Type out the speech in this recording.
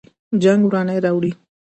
جنګ ورانی راوړي